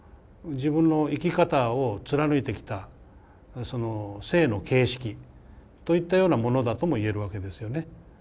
自分の生き方を貫いてきた「生の形式」といったようなものだとも言えるわけですよね。